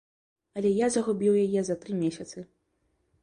Але я загубіў яе за тры месяцы.